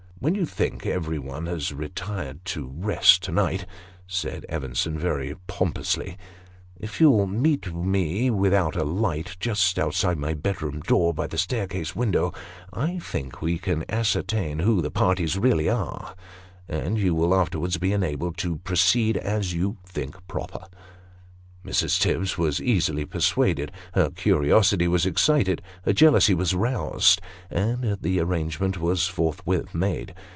" When you think everyone has retired to rest to night," said Evenson very pompously, "if you'll meet me without a light, just outside my bedroom door, by the staircase window, I think we can ascertain who the parties really are, and you will afterwards be enabled to proceed as you think proper." Mrs. Tibbs was easily persuaded; her curiosity was excited, her jealousy was roused, and the arrangement was forthwith made.